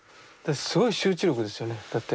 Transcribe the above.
すごい集中力ですよねだって。